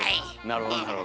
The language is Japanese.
なるほど。